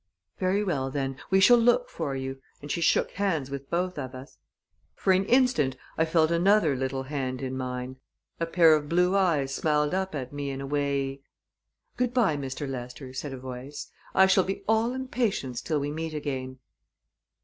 "Very well, then; we shall look for you," and she shook hands with both of us. For an instant, I felt another little hand in mine, a pair of blue eyes smiled up at me in a way "Good by, Mr. Lester," said a voice. "I shall be all impatience till we meet again."